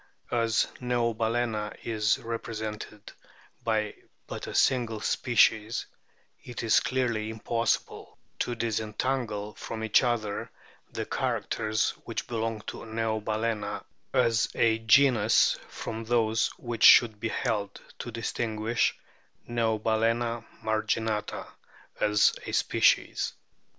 As Neobalana is repre sented by but a single species it is clearly impossible to disentangle from each other the characters which belong to Neobalcena as a genus from those which should be held to distinguish Neobalcena marginata as a species.